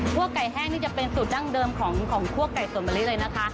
ไก่แห้งนี่จะเป็นสูตรดั้งเดิมของคั่วไก่สวนมะลิเลยนะคะ